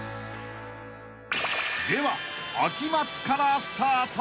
［では秋松からスタート］